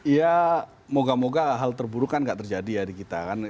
ya moga moga hal terburuk kan nggak terjadi ya di kita kan